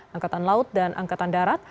angkatan laut dan angkatan darat